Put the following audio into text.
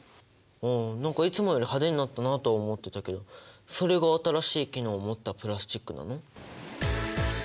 あ何かいつもより派手になったなとは思ってたけどそれが新しい機能を持ったプラスチックなの？